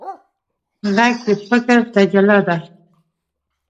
غږ د فکر تجلی ده